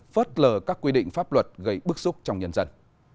phớt lờ các quy định pháp luật gây bức xúc trong nhân dân